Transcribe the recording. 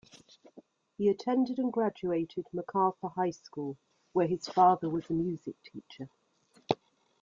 He attended and graduated MacArthur High School, where his father was a music teacher.